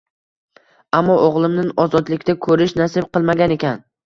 Ammo, o`g`limni ozodlikda ko`rish nasib qilmagan ekan